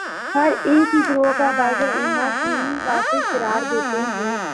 کہ ایک ہی گروہ کو بعض علماے دین کافر قرار دیتے ہیں